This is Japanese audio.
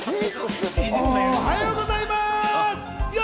おはようございます！